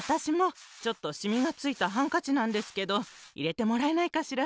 ちょっとしみがついたハンカチなんですけどいれてもらえないかしら？